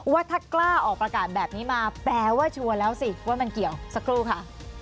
ว่าถ้ากล้าออกประกาศแบบนี้มาแปลว่าชัวร์แล้วสิว่ามันเกี่ยวสักครู่ค่ะ